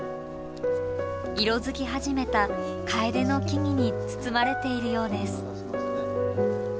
色づき始めたカエデの木々に包まれているようです。